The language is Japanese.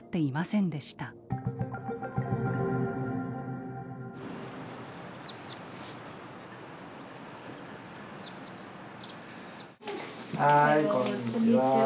はいこんにちは。